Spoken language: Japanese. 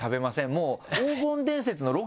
もう。